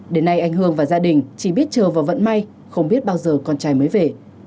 đến nay anh hương và gia đình chỉ biết chờ và vận may không biết bao giờ con trai mới về